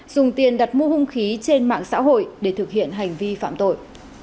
dùng tiền đặt mua hung khí trên mạng xã hội để thực hiện hành vi phạm tội